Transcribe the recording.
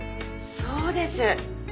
そうです。